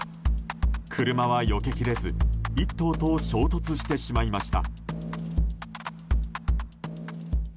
車はよけきれず１頭と衝突してしまいました。